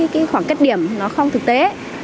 cái khoảng cách điểm nó không thực tế